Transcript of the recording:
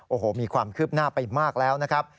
โอ้โหมีความคืบหน้าไปมากแล้วนะครับ